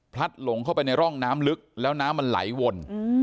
หลงเข้าไปในร่องน้ำลึกแล้วน้ำมันไหลวน